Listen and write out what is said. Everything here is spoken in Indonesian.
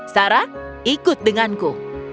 sarah ikut denganku